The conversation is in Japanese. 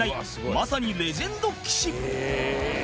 まさにレジェンド棋士